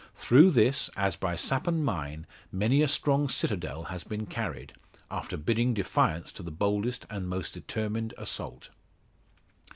Through this, as by sap and mine, many a strong citadel has been carried, after bidding defiance to the boldest and most determined assault.